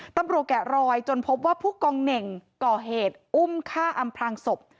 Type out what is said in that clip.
แกะรอยจนพบว่าผู้กองเหน่งก่อเหตุอุ้มฆ่าอำพลางศพ